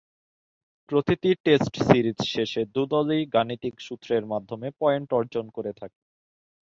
প্রতিটি test series শেষে দু’দলই গাণিতিক সূত্রের মাধ্যমে পয়েন্ট অর্জন করে থাকে।